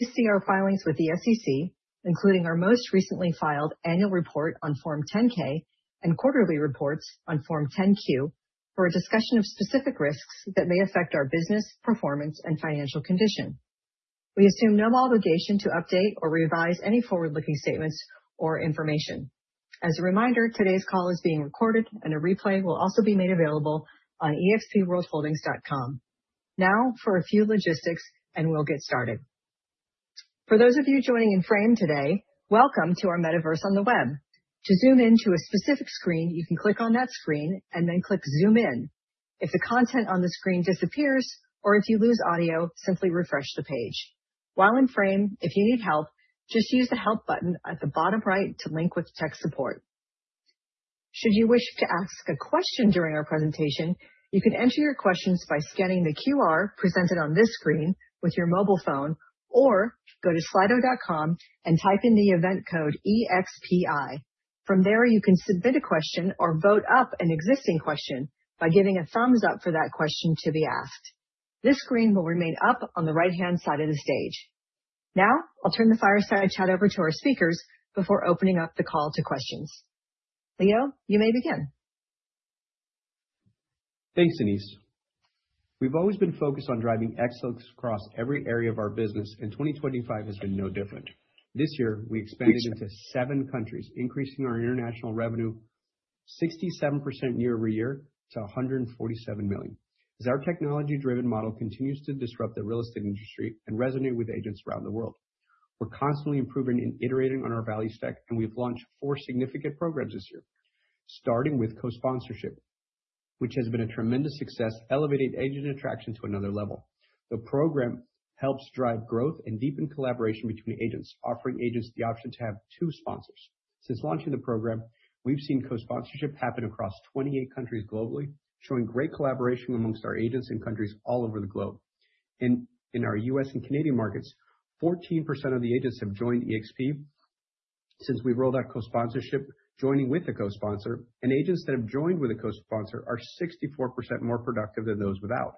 Please see our filings with the SEC, including our most recently filed annual report on Form 10-K and quarterly reports on Form 10-Q, for a discussion of specific risks that may affect our business, performance, and financial condition. We assume no obligation to update or revise any forward-looking statements or information. As a reminder, today's call is being recorded and a replay will also be made available on expworldholdings.com. Now for a few logistics, and we'll get started. For those of you joining in Frame today, welcome to our Metaverse on the web. To zoom into a specific screen, you can click on that screen and then click zoom in. If the content on the screen disappears or if you lose audio, simply refresh the page. While in Frame, if you need help, just use the help button at the bottom right to link with tech support. Should you wish to ask a question during our presentation, you can enter your questions by scanning the QR presented on this screen with your mobile phone, or go to slido.com and type in the event code EXPI. From there, you can submit a question or vote up an existing question by giving a thumbs up for that question to be asked. This screen will remain up on the right-hand side of the stage. Now, I'll turn the Fireside Chat over to our speakers before opening up the call to questions. Leo, you may begin. Thanks, Denise. We've always been focused on driving excellence across every area of our business. 2025 has been no different. This year, we expanded into 7 countries, increasing our international revenue 67% year-over-year to $147 million. As our technology-driven model continues to disrupt the real estate industry and resonate with agents around the world, we're constantly improving and iterating on our value stack. We've launched 4 significant programs this year, starting with co-sponsorship, which has been a tremendous success, elevating agent attraction to another level. The program helps drive growth and deepen collaboration between agents, offering agents the option to have 2 sponsors. Since launching the program, we've seen co-sponsorship happen across 28 countries globally, showing great collaboration amongst our agents in countries all over the globe. In our U.S. and Canadian markets, 14% of the agents have joined eXp since we rolled out co-sponsorship, joining with a co-sponsor. Agents that have joined with a co-sponsor are 64% more productive than those without.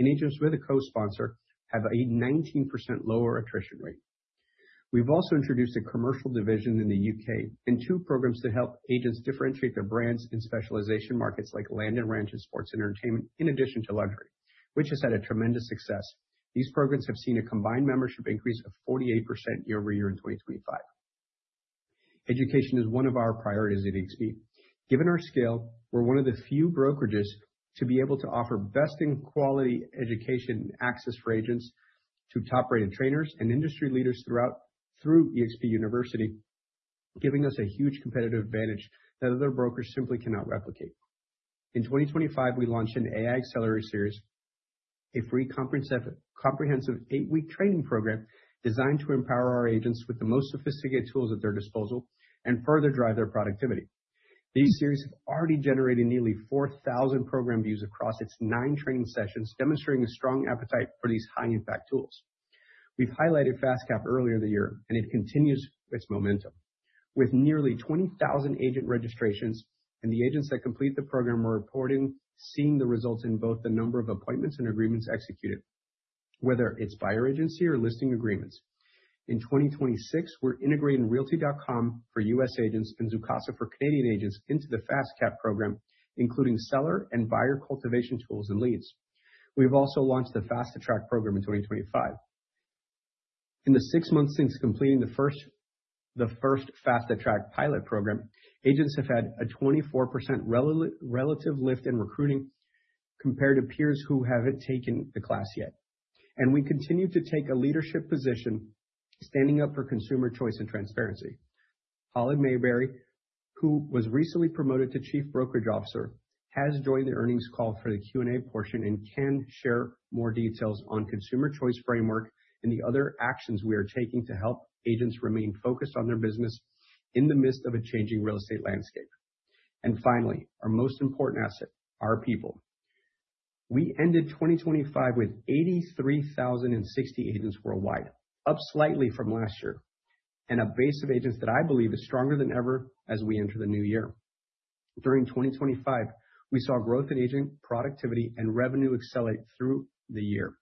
Agents with a co-sponsor have a 19% lower attrition rate. We've also introduced a commercial division in the U.K. and two programs to help agents differentiate their brands in specialization markets like land and ranch and sports entertainment, in addition to luxury, which has had a tremendous success. These programs have seen a combined membership increase of 48% year-over-year in 2025. Education is one of our priorities at eXp. Given our scale, we're one of the few brokerages to be able to offer best in quality education and access for agents to top-rated trainers and industry leaders throughout, through eXp University, giving us a huge competitive advantage that other brokers simply cannot replicate. In 2025, we launched an AI Accelerator series, a free comprehensive eight-week training program designed to empower our agents with the most sophisticated tools at their disposal and further drive their productivity. These series have already generated nearly 4,000 program views across its nine training sessions, demonstrating a strong appetite for these high-impact tools. We've highlighted Fast Cap earlier in the year, and it continues its momentum. With nearly 20,000 agent registrations, and the agents that complete the program are reporting seeing the results in both the number of appointments and agreements executed, whether it's buyer agency or listing agreements. In 2026, we're integrating Realty.com for U.S. agents and Zoocasa for Canadian agents into the Fast Cap program, including seller and buyer cultivation tools and leads. We've also launched the Fast Attract program in 2025. In the 6 months since completing the first Fast Attract pilot program, agents have had a 24% relative lift in recruiting compared to peers who haven't taken the class yet. We continue to take a leadership position, standing up for consumer choice and transparency. Holly Mabery, who was recently promoted to Chief Brokerage Officer, has joined the earnings call for the Q&A portion and can share more details on consumer choice framework and the other actions we are taking to help agents remain focused on their business in the midst of a changing real estate landscape. Finally, our most important asset, our people. We ended 2025 with 83,060 agents worldwide, up slightly from last year, and a base of agents that I believe is stronger than ever as we enter the new year. During 2025, we saw growth in agent productivity and revenue accelerate through the year.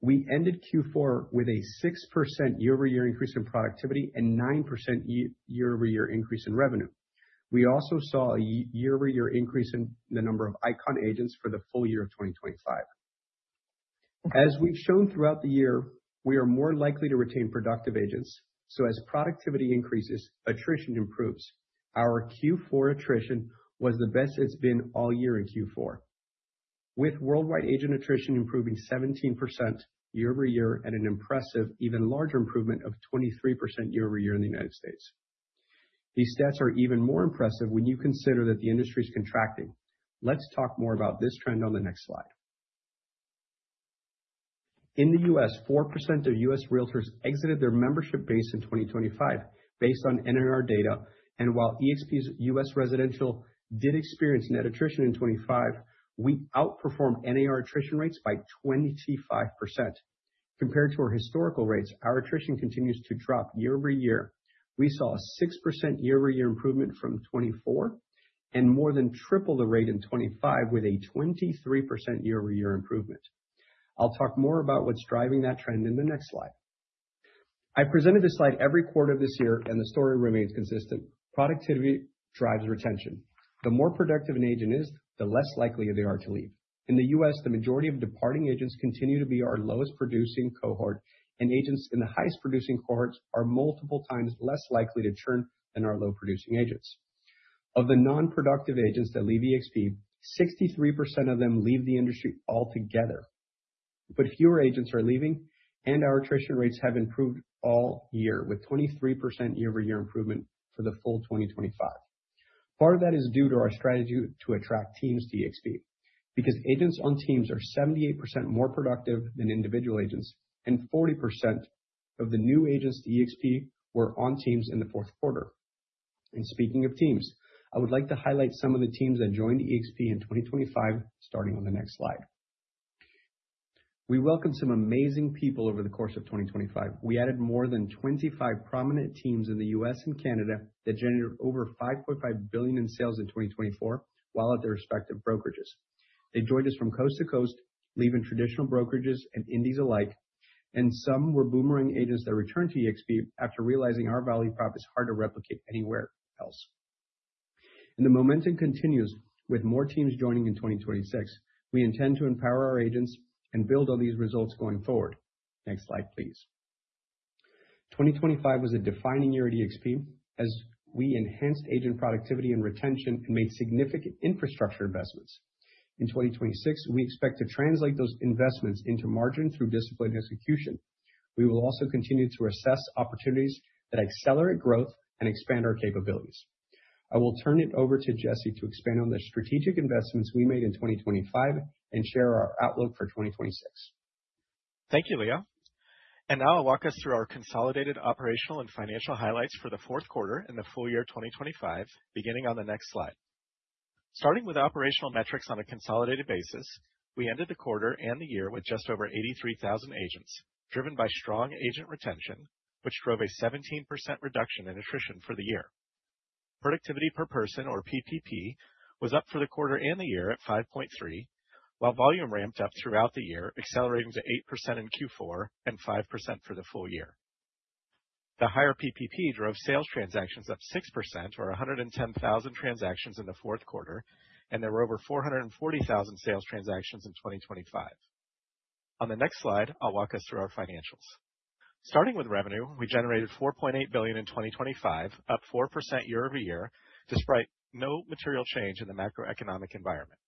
We ended Q4 with a 6% year-over-year increase in productivity and 9% year-over-year increase in revenue. We also saw a year-over-year increase in the number of ICON Agents for the full year of 2025. As we've shown throughout the year, we are more likely to retain productive agents, so as productivity increases, attrition improves. Our Q4 attrition was the best it's been all year in Q4, with worldwide agent attrition improving 17% year-over-year at an impressive, even larger improvement of 23% year-over-year in the United States. These stats are even more impressive when you consider that the industry is contracting. Let's talk more about this trend on the next slide. In the U.S., 4% of U.S. realtors exited their membership base in 2025 based on NAR data. While eXp's U.S. residential did experience net attrition in 2025, we outperformed NAR attrition rates by 25%. Compared to our historical rates, our attrition continues to drop year-over-year. We saw a 6% year-over-year improvement from 2024, more than triple the rate in 2025, with a 23% year-over-year improvement. I'll talk more about what's driving that trend in the next slide. I presented this slide every quarter of this year. The story remains consistent. Productivity drives retention. The more productive an agent is, the less likely they are to leave. In the U.S., the majority of departing agents continue to be our lowest producing cohort, and agents in the highest producing cohorts are multiple times less likely to churn than our low producing agents. Of the non-productive agents that leave eXp, 63% of them leave the industry altogether, but fewer agents are leaving, and our attrition rates have improved all year, with 23% year-over-year improvement for the full 2025. Part of that is due to our strategy to attract teams to eXp, because agents on teams are 78% more productive than individual agents, and 40% of the new agents to eXp were on teams in the 4th quarter. Speaking of teams, I would like to highlight some of the teams that joined eXp in 2025, starting on the next slide. We welcomed some amazing people over the course of 2025. We added more than 25 prominent teams in the U.S. and Canada that generated over $5.5 billion in sales in 2024, while at their respective brokerages. They joined us from coast to coast, leaving traditional brokerages and indies alike, and some were boomerang agents that returned to eXp after realizing our value prop is hard to replicate anywhere else. The momentum continues with more teams joining in 2026. We intend to empower our agents and build on these results going forward. Next slide, please. 2025 was a defining year at eXp, as we enhanced agent productivity and retention and made significant infrastructure investments. In 2026, we expect to translate those investments into margin through disciplined execution. We will also continue to assess opportunities that accelerate growth and expand our capabilities. I will turn it over to Jesse to expand on the strategic investments we made in 2025 and share our outlook for 2026. Thank you, Leo. Now I'll walk us through our consolidated operational and financial highlights for the Q4 and the full year, 2025, beginning on the next slide. Starting with operational metrics on a consolidated basis, we ended the quarter and the year with just over 83,000 agents, driven by strong agent retention, which drove a 17% reduction in attrition for the year. Productivity per person or PPP, was up for the quarter and the year at 5.3, while volume ramped up throughout the year, accelerating to 8% in Q4 and 5% for the full year. The higher PPP drove sales transactions up 6% or 110,000 transactions in the Q4, and there were over 440,000 sales transactions in 2025. On the next slide, I'll walk us through our financials. Starting with revenue, we generated $4.8 billion in 2025, up 4% year-over-year, despite no material change in the macroeconomic environment.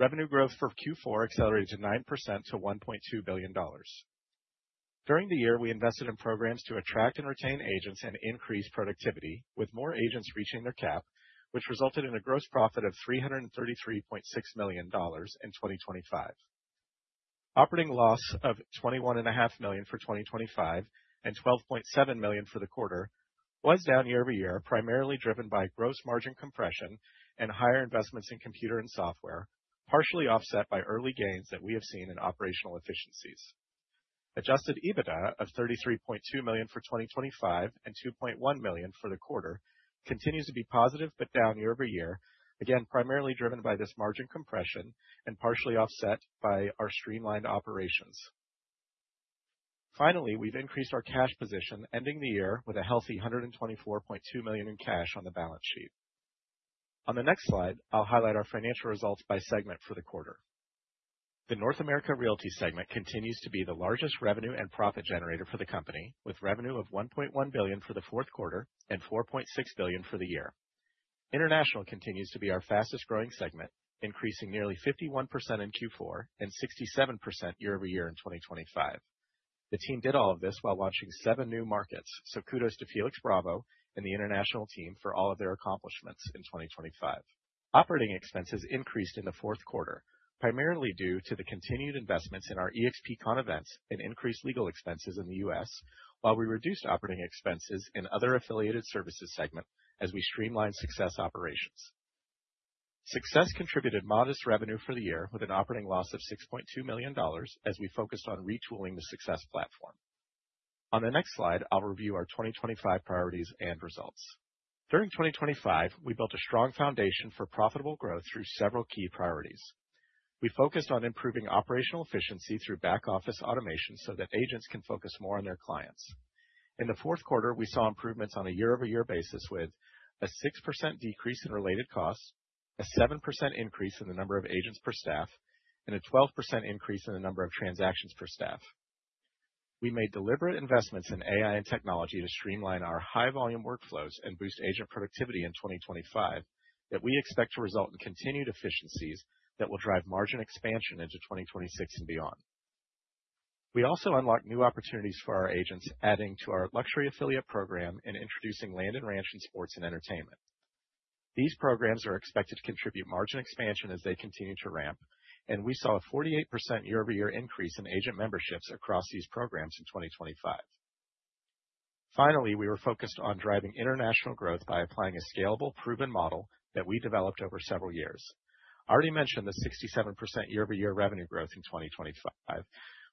Revenue growth for Q4 accelerated to 9% to $1.2 billion. During the year, we invested in programs to attract and retain agents and increase productivity, with more agents reaching their cap, which resulted in a gross profit of $333.6 million in 2025. Operating loss of $twenty-one and a half million for 2025 and $12.7 million for the quarter, was down year-over-year, primarily driven by gross margin compression and higher investments in computer and software, partially offset by early gains that we have seen in operational efficiencies. Adjusted EBITDA of $33.2 million for 2025 and $2.1 million for the quarter continues to be positive, but down year-over-year, again, primarily driven by this margin compression and partially offset by our streamlined operations. Finally, we've increased our cash position, ending the year with a healthy $124.2 million in cash on the balance sheet. On the next slide, I'll highlight our financial results by segment for the quarter. The North America Realty segment continues to be the largest revenue and profit generator for the company, with revenue of $1.1 billion for the Q4 and $4.6 billion for the year. International continues to be our fastest growing segment, increasing nearly 51% in Q4 and 67% year-over-year in 2025. The team did all of this while launching seven new markets, kudos to Felix Bravo and the international team for all of their accomplishments in 2025. Operating expenses increased in the Q4, primarily due to the continued investments in our eXpcon events and increased legal expenses in the U.S., while we reduced operating expenses in other affiliated services segment as we streamlined SUCCESS operations. SUCCESS contributed modest revenue for the year, with an operating loss of $6.2 million, as we focused on retooling the SUCCESS platform. On the next slide, I'll review our 2025 priorities and results. During 2025, we built a strong foundation for profitable growth through several key priorities. We focused on improving operational efficiency through back-office automation so that agents can focus more on their clients. In the Q4, we saw improvements on a year-over-year basis, with a 6% decrease in related costs, a 7% increase in the number of agents per staff, and a 12% increase in the number of transactions per staff. We made deliberate investments in AI and technology to streamline our high volume workflows and boost agent productivity in 2025, that we expect to result in continued efficiencies that will drive margin expansion into 2026 and beyond. We also unlocked new opportunities for our agents, adding to our luxury affiliate program and introducing land and ranch and sports and entertainment. These programs are expected to contribute margin expansion as they continue to ramp, and we saw a 48% year-over-year increase in agent memberships across these programs in 2025. Finally, we were focused on driving international growth by applying a scalable, proven model that we developed over several years. I already mentioned the 67% year-over-year revenue growth in 2025,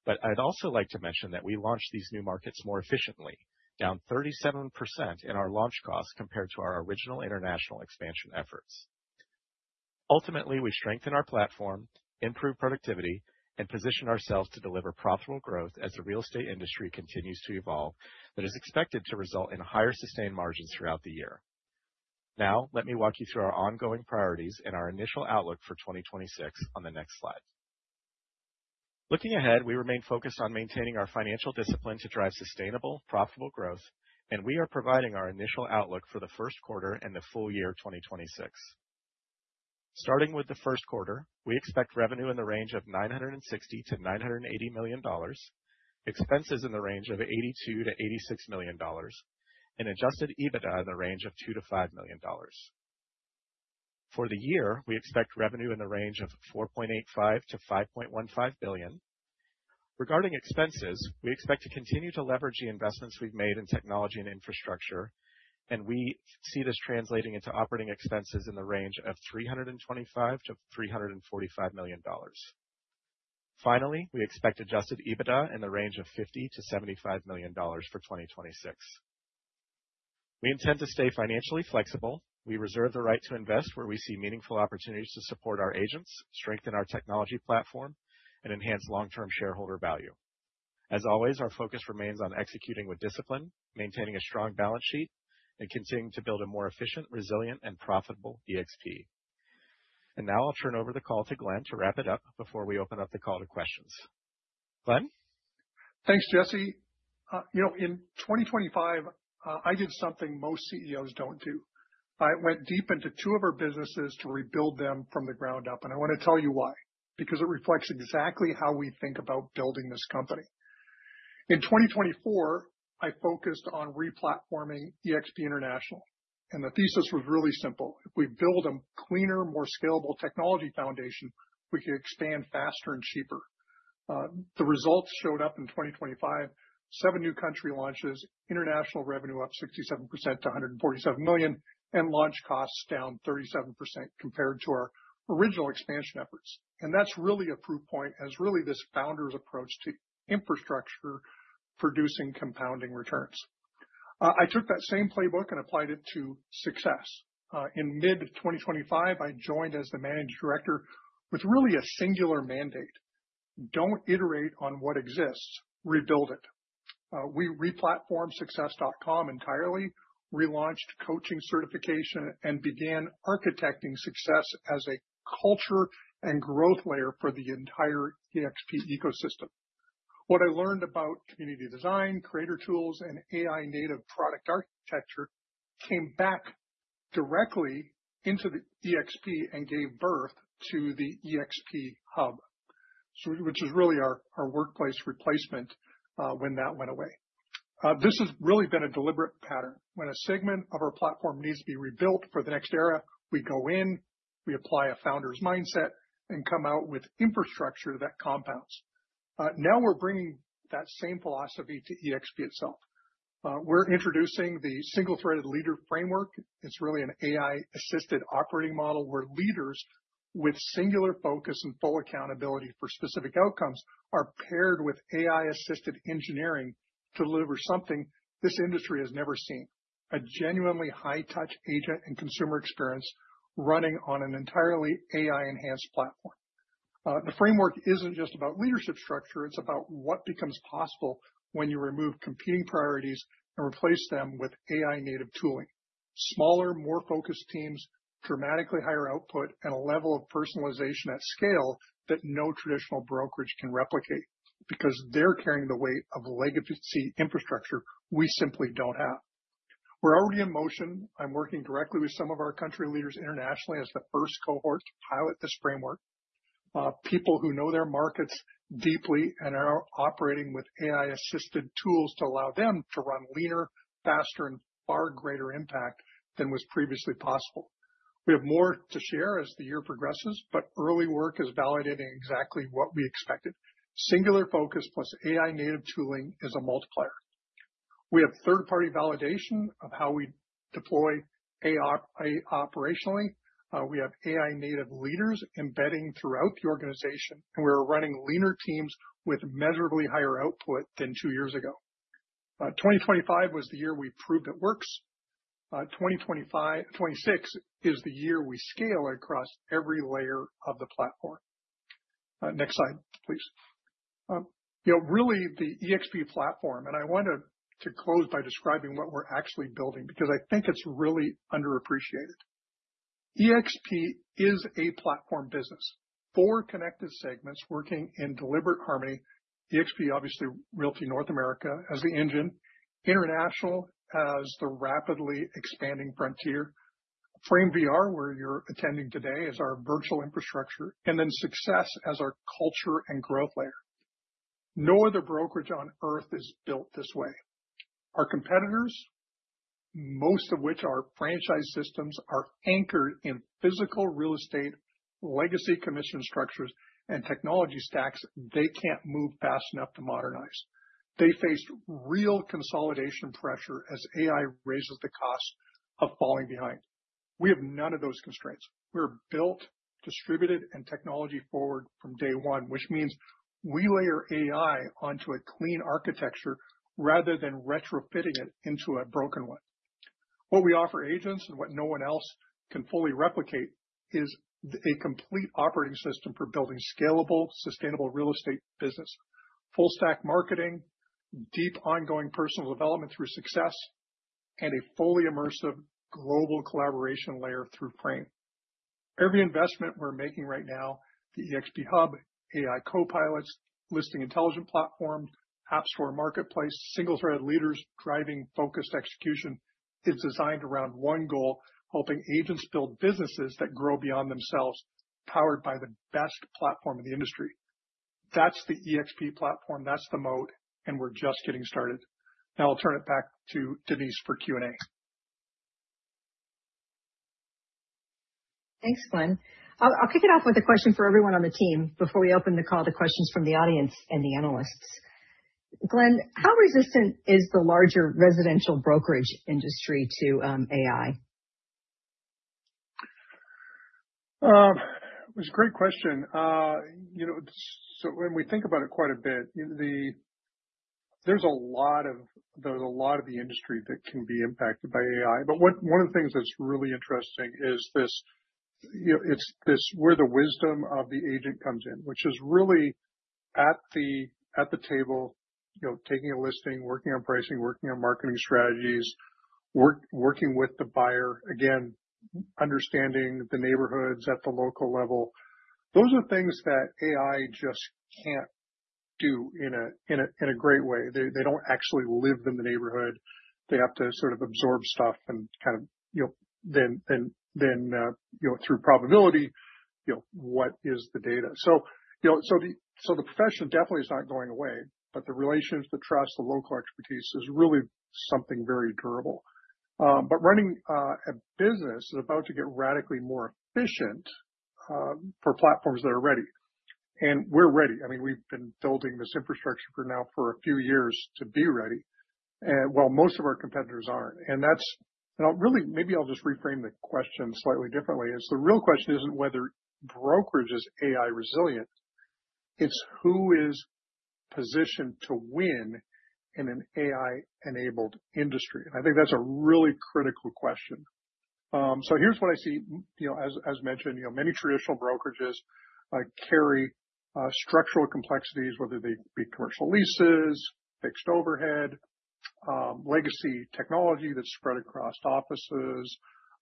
but I'd also like to mention that we launched these new markets more efficiently, down 37% in our launch costs compared to our original international expansion efforts. Ultimately, we strengthen our platform, improve productivity, and position ourselves to deliver profitable growth as the real estate industry continues to evolve, that is expected to result in higher sustained margins throughout the year. Let me walk you through our ongoing priorities and our initial outlook for 2026 on the next slide. Looking ahead, we remain focused on maintaining our financial discipline to drive sustainable, profitable growth, and we are providing our initial outlook for the Q1 and the full year of 2026. Starting with the Q1, we expect revenue in the range of $960 million-$980 million, expenses in the range of $82 million-$86 million, and Adjusted EBITDA in the range of $2 million-$5 million. For the year, we expect revenue in the range of $4.85 billion-$5.15 billion. Regarding expenses, we expect to continue to leverage the investments we've made in technology and infrastructure, we see this translating into operating expenses in the range of $325 million-$345 million. Finally, we expect Adjusted EBITDA in the range of $50 million-$75 million for 2026. We intend to stay financially flexible. We reserve the right to invest where we see meaningful opportunities to support our agents, strengthen our technology platform, and enhance long-term shareholder value. As always, our focus remains on executing with discipline, maintaining a strong balance sheet, and continuing to build a more efficient, resilient, and profitable eXp. Now I'll turn over the call to Glenn to wrap it up before we open up the call to questions. Glenn? Thanks, Jesse. You know, in 2025, I did something most CEOs don't do. I went deep into two of our businesses to rebuild them from the ground up, and I want to tell you why, because it reflects exactly how we think about building this company. In 2024, I focused on replatforming eXp International, and the thesis was really simple: If we build a cleaner, more scalable technology foundation, we can expand faster and cheaper. The results showed up in 2025, seven new country launches, international revenue up 67% to $147 million, and launch costs down 37% compared to our original expansion efforts. That's really a proof point as really this founder's approach to infrastructure, producing compounding returns. I took that same playbook and applied it to SUCCESS. In mid 2025, I joined as the managing director with really a singular mandate: Don't iterate on what exists, rebuild it. We replatformed SUCCESS.com entirely, relaunched coaching certification, and began architecting SUCCESS as a culture and growth layer for the entire eXp ecosystem. What I learned about community design, creator tools, and AI native product architecture, came back directly into the eXp and gave birth to the eXp Hub, which is really our workplace replacement when that went away. This has really been a deliberate pattern. When a segment of our platform needs to be rebuilt for the next era, we go in, we apply a founder's mindset and come out with infrastructure that compounds. Now we're bringing that same philosophy to eXp itself. We're introducing the single-threaded leader framework. It's really an AI-assisted operating model, where leaders with singular focus and full accountability for specific outcomes are paired with AI-assisted engineering to deliver something this industry has never seen, a genuinely high-touch agent and consumer experience running on an entirely AI-enhanced platform. The framework isn't just about leadership structure, it's about what becomes possible when you remove competing priorities and replace them with AI native tooling. Smaller, more focused teams, dramatically higher output, and a level of personalization at scale that no traditional brokerage can replicate, because they're carrying the weight of legacy infrastructure we simply don't have. We're already in motion. I'm working directly with some of our country leaders internationally as the first cohort to pilot this framework. People who know their markets deeply and are operating with AI-assisted tools to allow them to run leaner, faster, and far greater impact than was previously possible. We have more to share as the year progresses, but early work is validating exactly what we expected. Singular focus plus AI native tooling is a multiplier. We have third-party validation of how we deploy AI operationally. We have AI native leaders embedding throughout the organization, and we're running leaner teams with measurably higher output than two years ago. 2025 was the year we proved it works. 2026 is the year we scale across every layer of the platform. Next slide, please. You know, really, the eXp platform, and I want to close by describing what we're actually building, because I think it's really underappreciated. eXp is a platform business, four connected segments working in deliberate harmony. eXp, obviously, North America Realty, as the engine, International, as the rapidly expanding frontier. Frame, where you're attending today, is our virtual infrastructure, and then SUCCESS as our culture and growth layer. No other brokerage on Earth is built this way. Our competitors, most of which are franchise systems, are anchored in physical real estate, legacy commission structures, and technology stacks they can't move fast enough to modernize. They face real consolidation pressure as AI raises the cost of falling behind. We have none of those constraints. We're built, distributed, and technology forward from day one, which means we layer AI onto a clean architecture rather than retrofitting it into a broken one. What we offer agents, and what no one else can fully replicate, is a complete operating system for building scalable, sustainable real estate business, full stack marketing, deep, ongoing personal development through SUCCESS, and a fully immersive global collaboration layer through Frame. Every investment we're making right now, the eXp Hub, AI Copilots, listing intelligence platform, App Store Marketplace, single-threaded leaders driving focused execution, is designed around one goal: helping agents build businesses that grow beyond themselves, powered by the best platform in the industry. That's the eXp platform, that's the moat, and we're just getting started. Now I'll turn it back to Denise for Q&A. Thanks, Glenn. I'll kick it off with a question for everyone on the team before we open the call to questions from the audience and the analysts. Glenn, how resistant is the larger residential brokerage industry to AI? It's a great question. You know, so when we think about it quite a bit, there's a lot of the industry that can be impacted by AI. One of the things that's really interesting is this, you know, it's this, where the wisdom of the agent comes in, which is really at the table, you know, taking a listing, working on pricing, working on marketing strategies, working with the buyer, again, understanding the neighborhoods at the local level. Those are things that AI just can't do in a great way. They don't actually live in the neighborhood. They have to sort of absorb stuff and kind of, you know, then, you know, through probability, you know, what is the data? You know, the profession definitely is not going away, but the relationships, the trust, the local expertise is really something very durable. Running a business is about to get radically more efficient for platforms that are ready, and we're ready. I mean, we've been building this infrastructure for now for a few years to be ready, while most of our competitors aren't. Really, maybe I'll just reframe the question slightly differently, is the real question isn't whether brokerage is AI resilient, it's who is positioned to win in an AI-enabled industry? I think that's a really critical question. Here's what I see. You know, as mentioned, you know, many traditional brokerages, carry structural complexities, whether they be commercial leases, fixed overhead, legacy technology that's spread across offices,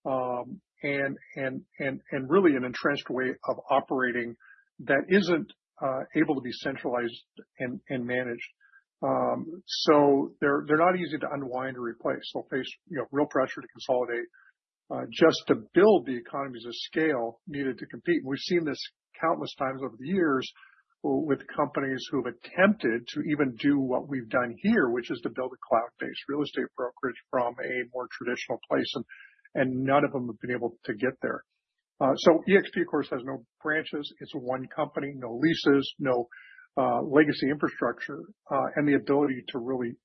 and really an entrenched way of operating that isn't able to be centralized and managed. They're not easy to unwind or replace. They'll face, you know, real pressure to consolidate just to build the economies of scale needed to compete. We've seen this countless times over the years with companies who have attempted to even do what we've done here, which is to build a cloud-based real estate brokerage from a more traditional place, and none of them have been able to get there. eXp, of course, has no branches. It's one company, no leases, no legacy infrastructure, and the ability to really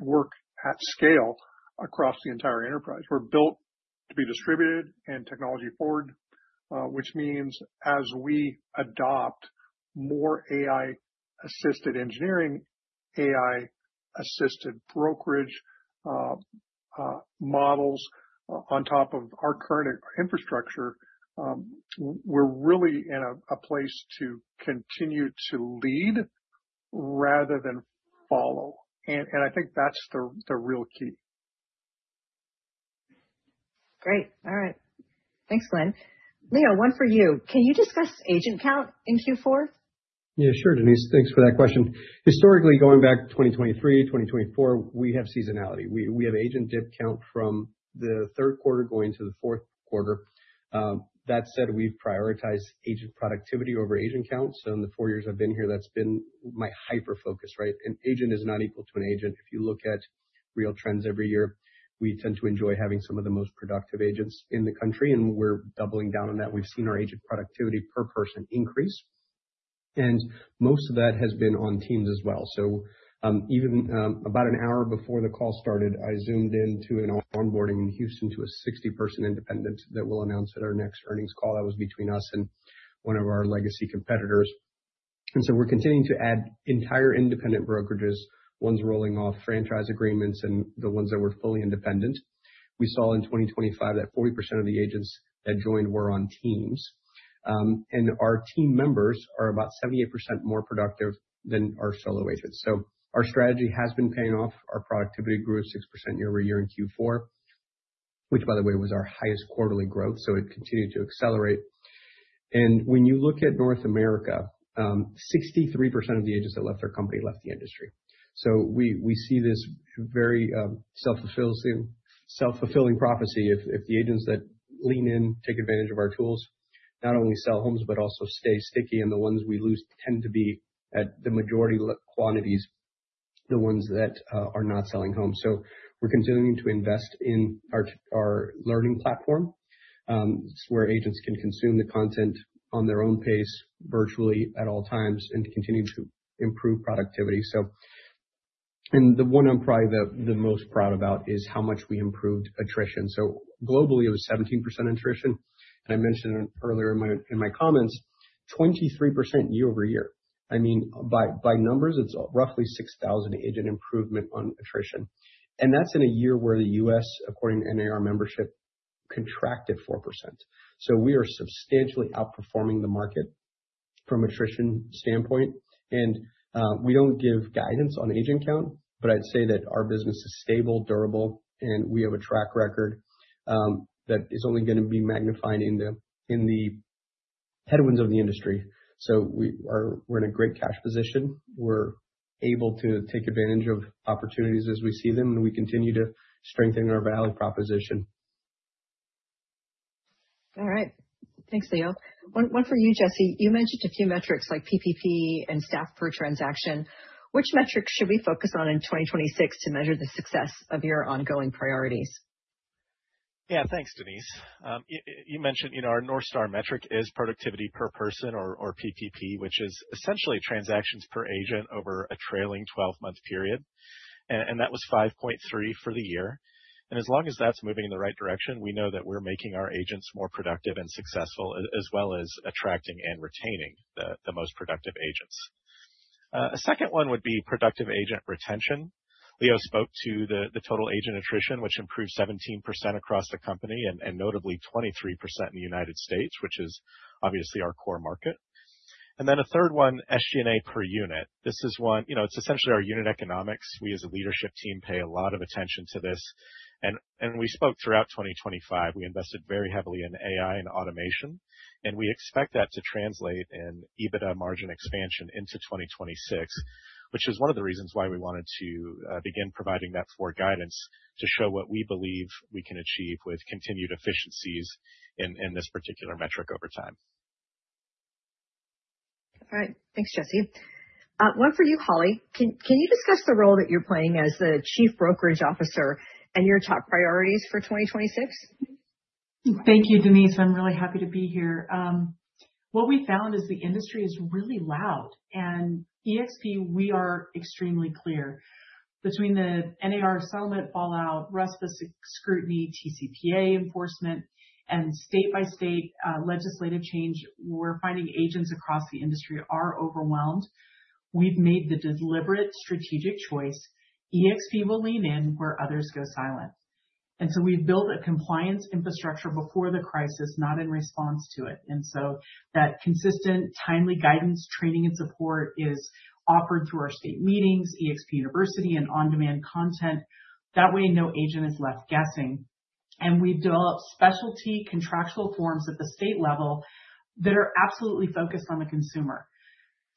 work at scale across the entire enterprise. We're built to be distributed and technology forward, which means as we adopt more AI-assisted engineering, AI-assisted brokerage models on top of our current infrastructure, we're really in a place to continue to lead rather than follow. I think that's the real key. Great! All right. Thanks, Glenn. Leo, one for you. Can you discuss agent count in Q4? Yeah, sure, Denise. Thanks for that question. Historically, going back to 2023, 2024, we have seasonality. We have agent dip count from the Q3 going to the Q4. That said, we've prioritized agent productivity over agent count. In the 4 years I've been here, that's been my hyperfocus, right? An agent is not equal to an agent. If you look at real trends every year, we tend to enjoy having some of the most productive agents in the country. We're doubling down on that. We've seen our agent productivity per person increase. Most of that has been on teams as well. Even, about 1 hour before the call started, I Zoomed into an onboarding in Houston to a 60-person independent that we'll announce at our next earnings call. That was between us and one of our legacy competitors. We're continuing to add entire independent brokerages, ones rolling off franchise agreements and the ones that were fully independent. We saw in 2025 that 40% of the agents that joined were on teams. Our team members are about 78% more productive than our solo agents. Our strategy has been paying off. Our productivity grew 6% year-over-year in Q4, which, by the way, was our highest quarterly growth, so it continued to accelerate. When you look at North America, 63% of the agents that left our company left the industry. We see this very self-fulfilling prophecy. If the agents that lean in take advantage of our tools, not only sell homes, but also stay sticky, and the ones we lose tend to be at the majority quantities, the ones that are not selling homes. We're continuing to invest in our learning platform, where agents can consume the content on their own pace, virtually at all times, and continue to improve productivity. The one I'm probably the most proud about is how much we improved attrition. Globally, it was 17% attrition. I mentioned earlier in my comments, 23% year-over-year. I mean, by numbers, it's roughly 6,000 agent improvement on attrition, and that's in a year where the U.S., according to NAR membership, contracted 4%. We are substantially outperforming the market from attrition standpoint, and we don't give guidance on agent count, but I'd say that our business is stable, durable, and we have a track record that is only gonna be magnified in the headwinds of the industry. We're in a great cash position. We're able to take advantage of opportunities as we see them, and we continue to strengthen our value proposition. All right. Thanks, Leo. One for you, Jesse. You mentioned a few metrics like PPP and staff per transaction. Which metrics should we focus on in 2026 to measure the success of your ongoing priorities? Yeah, thanks, Denise. You mentioned, you know, our North Star metric is productivity per person or PPP, which is essentially transactions per agent over a trailing 12-month period. That was 5.3 for the year. As long as that's moving in the right direction, we know that we're making our agents more productive and successful, as well as attracting and retaining the most productive agents. A second one would be productive agent retention. Leo spoke to the total agent attrition, which improved 17% across the company, and notably 23% in the United States, which is obviously our core market. Then a third one, SG&A per unit. This is one. You know, it's essentially our unit economics. We, as a leadership team, pay a lot of attention to this. We spoke throughout 2025, we invested very heavily in AI and automation, and we expect that to translate in EBITDA margin expansion into 2026, which is one of the reasons why we wanted to begin providing that forward guidance, to show what we believe we can achieve with continued efficiencies in this particular metric over time. All right. Thanks, Jesse. One for you, Holly. Can you discuss the role that you're playing as the Chief Brokerage Officer and your top priorities for 2026? Thank you, Denise. I'm really happy to be here. What we found is the industry is really loud, and eXp, we are extremely clear. Between the NAR settlement fallout, RESPA scrutiny, TCPA enforcement, and state-by-state legislative change, we're finding agents across the industry are overwhelmed. We've made the deliberate strategic choice, eXp will lean in where others go silent. We've built a compliance infrastructure before the crisis, not in response to it. That consistent, timely guidance, training, and support is offered through our state meetings, eXp University, and on-demand content. That way, no agent is left guessing. We've developed specialty contractual forms at the state level that are absolutely focused on the consumer.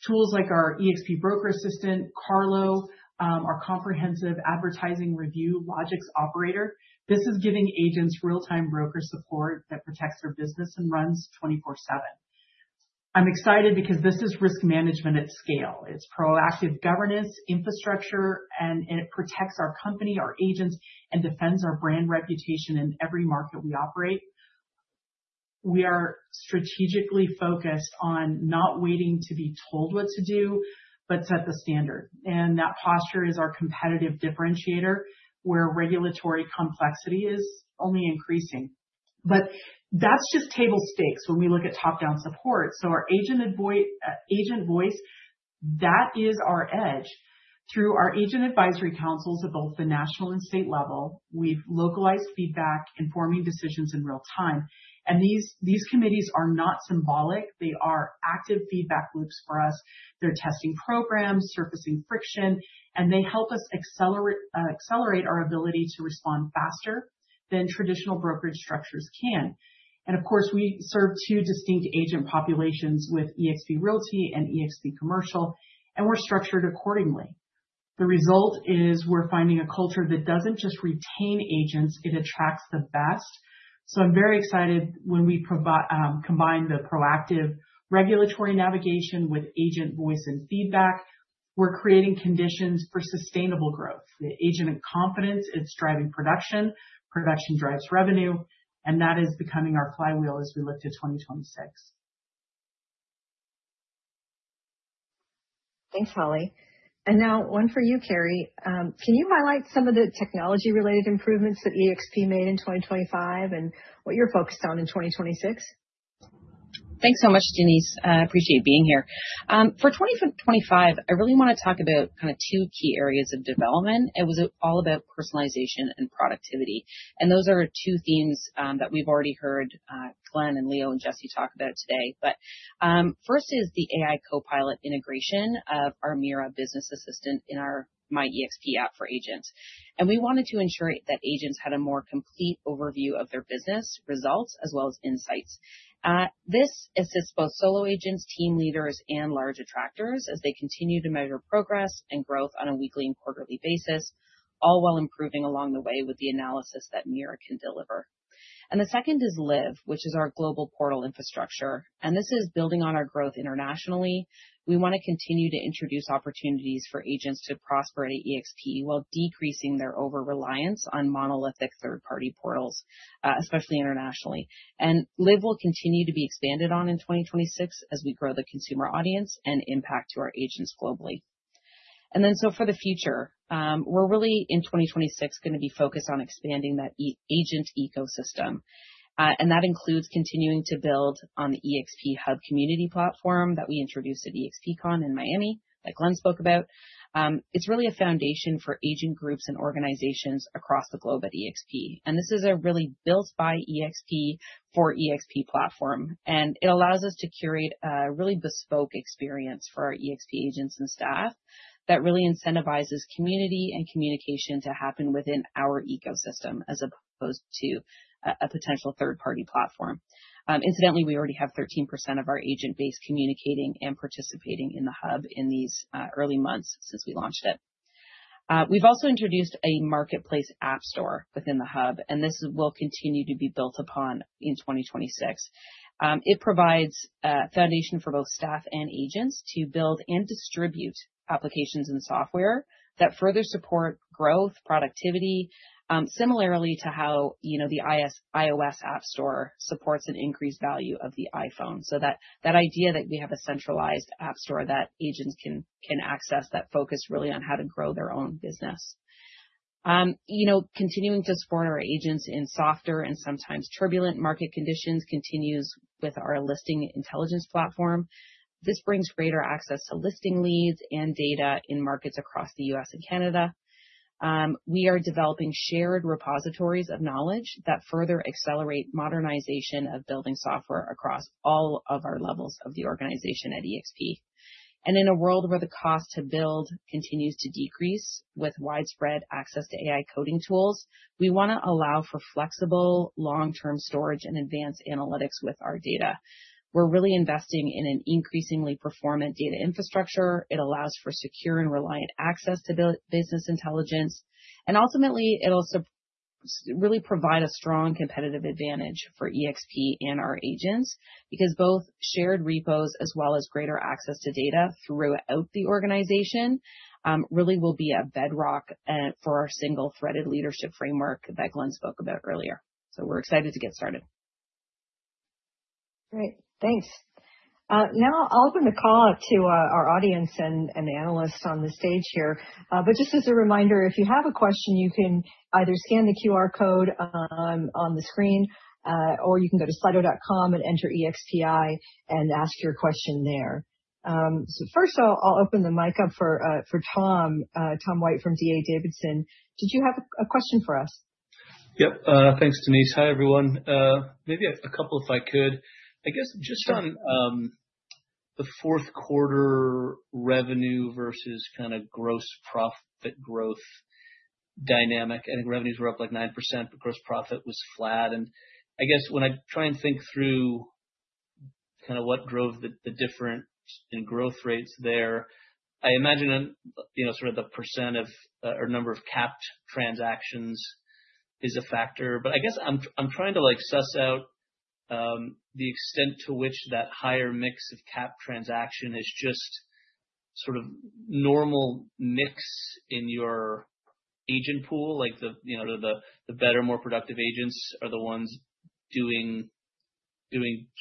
Tools like our eXp Broker Assistant, Carla, our comprehensive advertising review Logix operator. This is giving agents real-time broker support that protects their business and runs 24/7. I'm excited because this is risk management at scale. It's proactive governance, infrastructure, and it protects our company, our agents, and defends our brand reputation in every market we operate. We are strategically focused on not waiting to be told what to do, but set the standard, and that posture is our competitive differentiator, where regulatory complexity is only increasing. That's just table stakes when we look at top-down support. Our agent voice, that is our edge. Through our agent advisory councils at both the national and state level, we've localized feedback, informing decisions in real time. These committees are not symbolic, they are active feedback loops for us. They're testing programs, surfacing friction, and they help us accelerate our ability to respond faster than traditional brokerage structures can. Of course, we serve two distinct agent populations with eXp Realty and eXp Commercial, and we're structured accordingly. The result is we're finding a culture that doesn't just retain agents, it attracts the best. I'm very excited when we combine the proactive regulatory navigation with agent voice and feedback, we're creating conditions for sustainable growth. The agent and confidence, it's driving production drives revenue, that is becoming our flywheel as we look to 2026. Thanks, Holly. Now one for you, Carrie. Can you highlight some of the technology-related improvements that eXp made in 2025 and what you're focused on in 2026? Thanks so much, Denise. I appreciate being here. For 25, I really want to talk about kind of 2 key areas of development. It was all about personalization and productivity, those are 2 themes that we've already heard Glenn and Leo and Jesse talk about today. First is the AI Copilot integration of our Mira business assistant in our My eXp app for agents. We wanted to ensure that agents had a more complete overview of their business results as well as insights. This assists both solo agents, team leaders, and large attractors as they continue to measure progress and growth on a weekly and quarterly basis, all while improving along the way with the analysis that Mira can deliver. The second is Liv, which is our global portal infrastructure, and this is building on our growth internationally. We want to continue to introduce opportunities for agents to prosper at eXp while decreasing their overreliance on monolithic third-party portals, especially internationally. Liv will continue to be expanded on in 2026 as we grow the consumer audience and impact to our agents globally. For the future, we're really in 2026 gonna be focused on expanding that e-agent ecosystem. That includes continuing to build on the eXp Hub community platform that we introduced at eXpcon in Miami, that Glenn spoke about. It's really a foundation for agent groups and organizations across the globe at eXp. This is a really built by eXp for eXp platform, and it allows us to curate a really bespoke experience for our eXp agents and staff that really incentivizes community and communication to happen within our ecosystem, as opposed to a potential third-party platform. Incidentally, we already have 13% of our agent base communicating and participating in the Hub in these early months since we launched it. We've also introduced a Marketplace App Store within the Hub, and this will continue to be built upon in 2026. It provides a foundation for both staff and agents to build and distribute applications and software that further support growth, productivity, similarly to how, you know, the iOS App Store supports an increased value of the iPhone. That idea that we have a centralized App Store that agents can access, that focus really on how to grow their own business. You know, continuing to support our agents in softer and sometimes turbulent market conditions continues with our listing intelligence platform. This brings greater access to listing leads and data in markets across the U.S. and Canada. We are developing shared repositories of knowledge that further accelerate modernization of building software across all of our levels of the organization at eXp. In a world where the cost to build continues to decrease with widespread access to AI coding tools, we wanna allow for flexible, long-term storage and advanced analytics with our data. We're really investing in an increasingly performant data infrastructure. It allows for secure and reliant access to business intelligence, and ultimately, it'll really provide a strong competitive advantage for eXp and our agents, because both shared repos as well as greater access to data throughout the organization, really will be a bedrock, for our single-threaded leadership framework that Glenn spoke about earlier. We're excited to get started. Great. Thanks. Now I'll open the call up to our audience and the analysts on the stage here. Just as a reminder, if you have a question, you can either scan the QR code on the screen or you can go to slido.com and enter EXPI and ask your question there. First of all, I'll open the mic up for Tom White from D.A. Davidson. Did you have a question for us? Yep. Thanks, Denise. Hi, everyone. Maybe a couple, if I could. I guess just on the Q4 revenue versus kind of gross profit growth dynamic. I think revenues were up, like, 9%, but gross profit was flat. I guess when I try and think through kind of what drove the difference in growth rates there, I imagine, you know, sort of the % of or number of capped transactions is a factor. I guess I'm trying to, like, suss out the extent to which that higher mix of capped transaction is just sort of normal mix in your agent pool. Like, the, you know, the better, more productive agents are the ones doing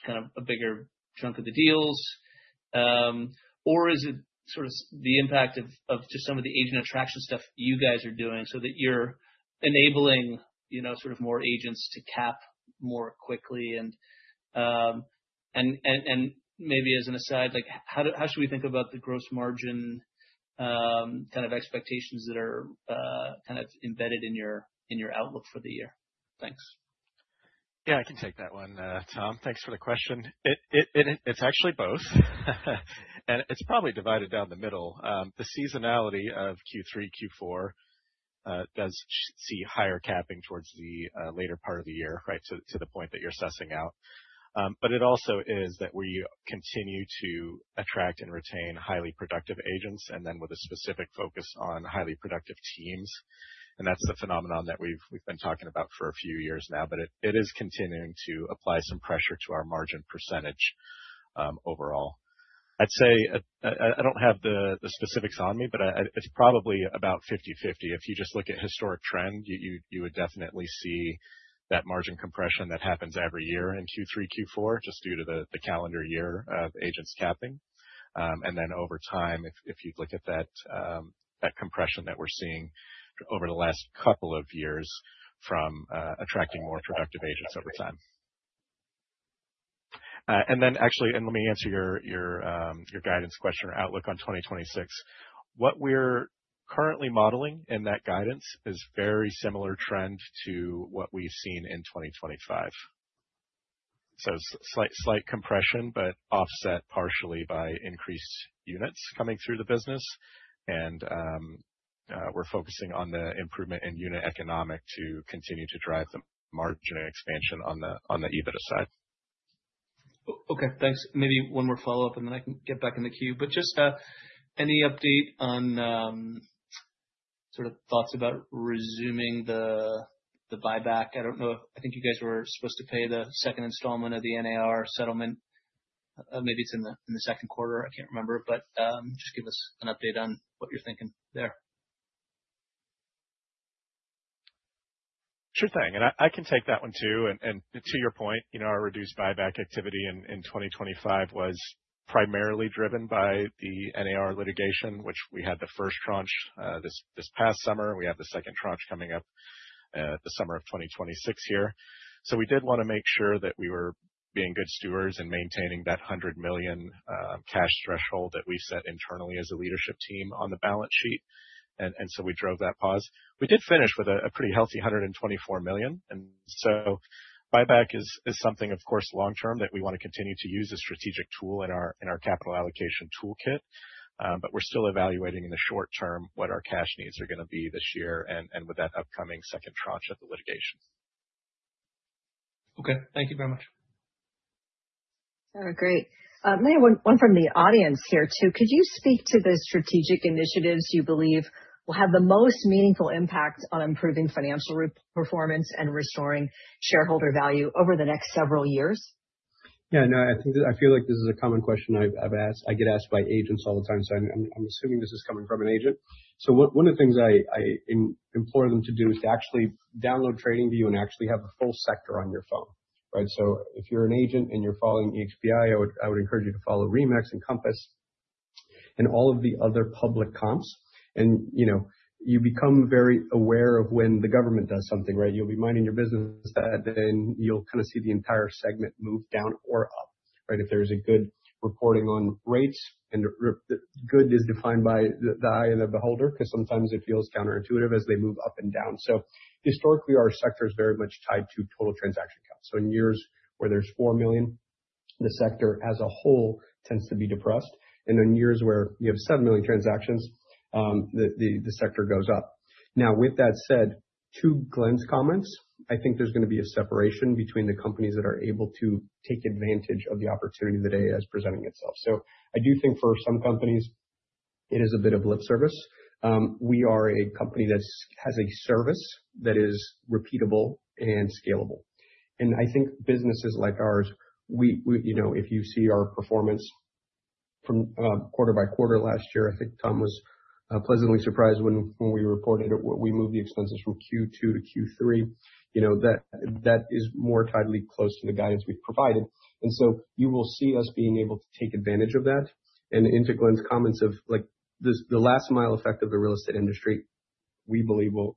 kind of a bigger chunk of the deals. Is it sort of the impact of just some of the agent attraction stuff you guys are doing, so that you're enabling, you know, sort of more agents to cap more quickly? Maybe as an aside, like, how should we think about the gross margin, kind of expectations that are, kind of embedded in your, in your outlook for the year? Thanks. Yeah, I can take that one, Tom. Thanks for the question. It's actually both. It's probably divided down the middle. The seasonality of Q3, Q4, does see higher capping towards the later part of the year, right? To the point that you're sussing out. But it also is that we continue to attract and retain highly productive agents, and then with a specific focus on highly productive teams. That's the phenomenon that we've been talking about for a few years now, but it is continuing to apply some pressure to our margin percentage, overall. I'd say, I don't have the specifics on me, but It's probably about 50/50. If you just look at historic trend, you would definitely see that margin compression that happens every year in Q3, Q4, just due to the calendar year of agents capping. Over time, if you look at that compression that we're seeing over the last couple of years from attracting more productive agents over time. Actually, let me answer your guidance question or outlook on 2026. What we're currently modeling in that guidance is very similar trend to what we've seen in 2025. Slight compression, but offset partially by increased units coming through the business. We're focusing on the improvement in unit economic to continue to drive the margin expansion on the EBITDA side. Okay, thanks. Maybe one more follow-up, and then I can get back in the queue. Just any update on sort of thoughts about resuming the buyback? I don't know. I think you guys were supposed to pay the second installment of the NAR settlement. Maybe it's in the Q2, I can't remember. Just give us an update on what you're thinking there. Sure thing, I can take that one, too. To your point, you know, our reduced buyback activity in 2025 was primarily driven by the NAR litigation, which we had the first tranche this past summer, and we have the second tranche coming up the summer of 2026 here. We did wanna make sure that we were being good stewards in maintaining that $100 million cash threshold that we set internally as a leadership team on the balance sheet. We drove that pause. We did finish with a pretty healthy $124 million, and so buyback is something, of course, long term, that we wanna continue to use as a strategic tool in our capital allocation toolkit. We're still evaluating in the short term what our cash needs are gonna be this year and with that upcoming second tranche of the litigation. Okay, thank you very much. Great. Maybe one from the audience here, too. Could you speak to the strategic initiatives you believe will have the most meaningful impact on improving financial performance and restoring shareholder value over the next several years? Yeah, no, I feel like this is a common question I've asked. I get asked by agents all the time, I'm assuming this is coming from an agent. One of the things I implore them to do is to actually download TradingView and actually have a full sector on your phone, right? If you're an agent and you're following EXPI, I would encourage you to follow RE/MAX and Compass and all of the other public comps. You know, you become very aware of when the government does something, right? You'll be minding your business, you'll kind of see the entire segment move down or up, right? If there's a good reporting on rates, good is defined by the eye of the beholder, 'cause sometimes it feels counterintuitive as they move up and down. Historically, our sector is very much tied to total transaction count. In years where there's 4 million, the sector as a whole tends to be depressed, and in years where you have 7 million transactions, the sector goes up. Now, with that said, to Glenn's comments, I think there's gonna be a separation between the companies that are able to take advantage of the opportunity today as presenting itself. I do think for some companies, it is a bit of lip service. We are a company that has a service that is repeatable and scalable. I think businesses like ours, we, you know, if you see our performance from quarter by quarter last year, I think Tom was pleasantly surprised when we reported it, where we moved the expenses from Q2 to Q3. You know, that is more tightly close to the guidance we've provided. So you will see us being able to take advantage of that. Into Glenn's comments of, like, this, the last mile effect of the real estate industry, we believe will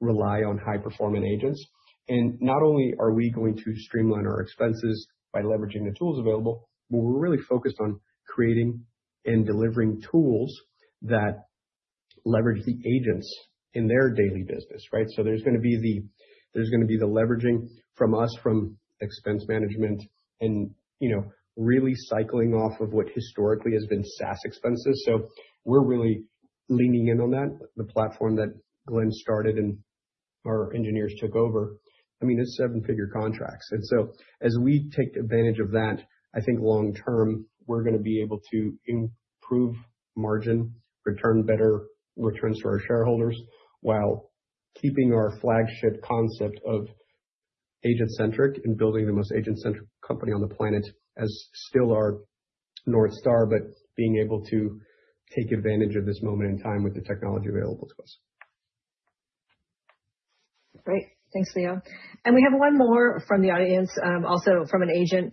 rely on high-performing agents. Not only are we going to streamline our expenses by leveraging the tools available, but we're really focused on creating and delivering tools that leverage the agents in their daily business, right? There's gonna be the leveraging from us from expense management and, you know, really cycling off of what historically has been SaaS expenses. We're really leaning in on that, the platform that Glenn started and our engineers took over. I mean, it's 7-figure contracts. As we take advantage of that, I think long term, we're gonna be able to improve margin, return better returns to our shareholders, while keeping our flagship concept of agent-centric and building the most agent-centric company on the planet as still our North Star, but being able to take advantage of this moment in time with the technology available to us. Great. Thanks, Leo. We have one more from the audience, also from an agent.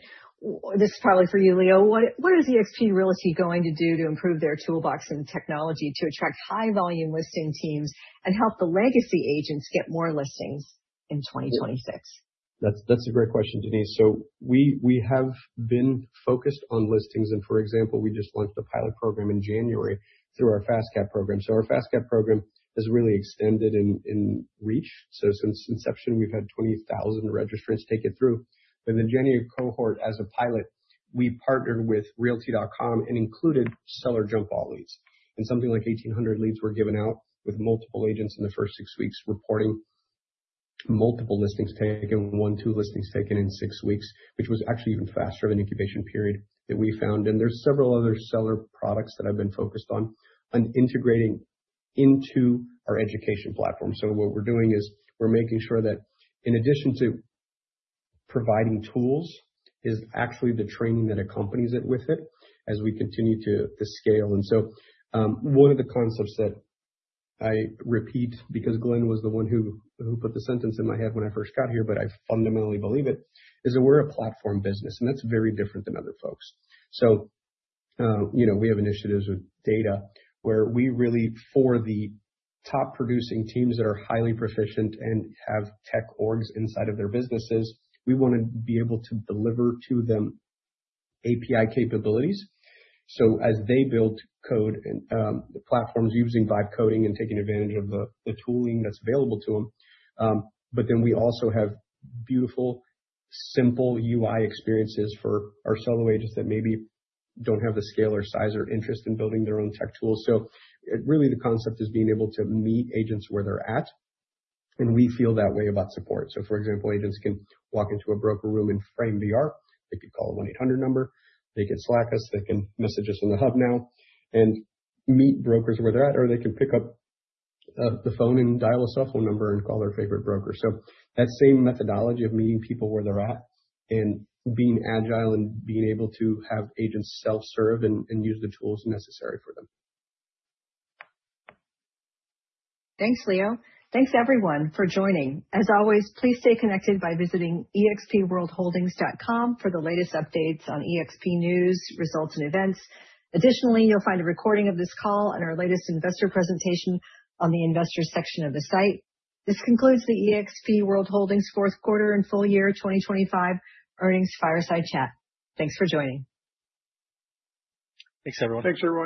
This is probably for you, Leo. What is eXp Realty going to do to improve their toolbox and technology to attract high-volume listing teams and help the legacy agents get more listings in 2026? That's a great question, Denise. We have been focused on listings, and, for example, we just launched a pilot program in January through our Fast Cap program. Our Fast Cap program has really extended in reach. Since inception, we've had 20,000 registrants take it through. In the January cohort, as a pilot, we partnered with Realty.com and included seller jump ball leads. Something like 1,800 leads were given out, with multiple agents in the first six weeks reporting multiple listings taken, one, two listings taken in six weeks, which was actually even faster of an incubation period that we found. There's several other seller products that I've been focused on integrating into our education platform. What we're doing is we're making sure that in addition to providing tools, is actually the training that accompanies it with it, as we continue to scale. One of the concepts that I repeat, because Glenn was the one who put the sentence in my head when I first got here, but I fundamentally believe it, is that we're a platform business, and that's very different than other folks. You know, we have initiatives with data where we really, for the top producing teams that are highly proficient and have tech orgs inside of their businesses, we wanna be able to deliver to them API capabilities. As they build code and the platforms using vibe coding and taking advantage of the tooling that's available to them, we also have beautiful, simple UI experiences for our seller agents that maybe don't have the scale or size or interest in building their own tech tools. Really, the concept is being able to meet agents where they're at, and we feel that way about support. For example, agents can walk into a broker room and Frame, they could call a 1-800 number, they can Slack us, they can message us on the eXp Hub now and meet brokers where they're at, or they can pick up the phone and dial a cell phone number and call their favorite broker. That same methodology of meeting people where they're at and being agile and being able to have agents self-serve and use the tools necessary for them. Thanks, Leo. Thanks, everyone, for joining. As always, please stay connected by visiting expworldholdings.com for the latest updates on eXp news, results, and events. You'll find a recording of this call and our latest investor presentation on the investors section of the site. This concludes the eXp World Holdings Q4 and full year 2025 earnings fireside chat. Thanks for joining. Thanks, everyone. Thanks, everyone.